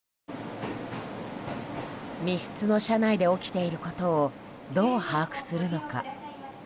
密室の車内で起きていることをどう把握するのか。